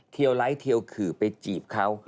เทียวไลท์เทียวขื่อไปจีบเค้า